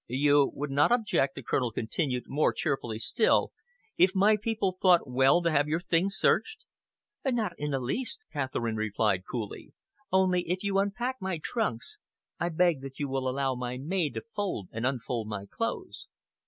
"You would not object," the Colonel continued, more cheerfully still, "if my people thought well to have your things searched?" "Not in the least," Catherine replied coolly, "only if you unpack my trunks, I beg that you will allow my maid to fold and unfold my clothes."